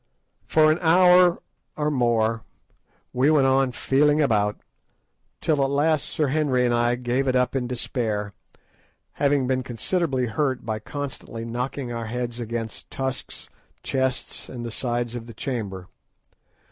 For an hour or more we went on feeling about, till at last Sir Henry and I gave it up in despair, having been considerably hurt by constantly knocking our heads against tusks, chests, and the sides of the chamber.